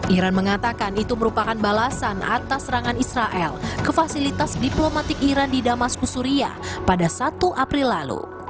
iran mengatakan itu merupakan balasan atas serangan israel ke fasilitas diplomatik iran di damaskus suria pada satu april lalu